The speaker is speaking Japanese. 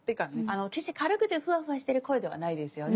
あの決して軽くてフワフワしてる声ではないですよね。